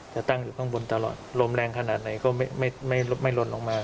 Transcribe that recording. จะตั้งอยู่ข้างบนตลอดลมแรงขนาดไหนก็ไม่ลนลงมา